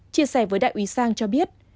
chia sẻ với đại úy sang cho biết